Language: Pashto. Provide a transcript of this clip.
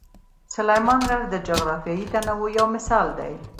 سلیمان غر د جغرافیوي تنوع یو مثال دی.